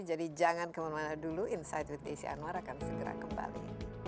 jadi jangan kemana mana dulu insight with isya anwar akan segera kembali